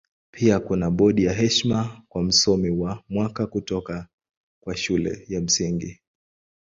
Pia kuna bodi ya heshima kwa Msomi wa Mwaka kutoka kwa Shule ya Msingi.